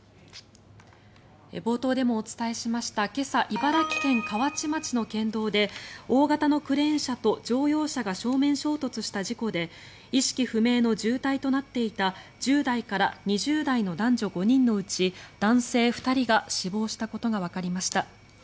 冒頭でもお伝えしました今朝、茨城県河内町の県道で大型のクレーン車と乗用車が正面衝突した事故で意識不明の重体となっていた１０代から２０代の男女５人のうち男性２人が死亡したことがわかりました。